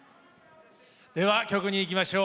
では、曲にいきましょう。